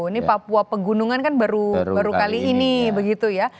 ini papua pegunungan kan baru kali ini begitu ya